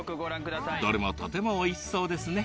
どれもとてもおいしそうですね。